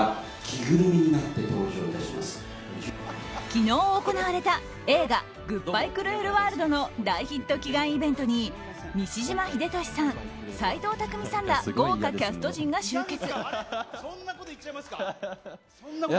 昨日行われた映画「グッバイ・クルエル・ワールド」の大ヒット祈願イベントに西島秀俊さん、斎藤工さんら豪華キャスト陣が集結。